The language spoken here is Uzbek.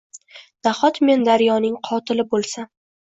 Nahot, men daryoning qotili bo’lsam?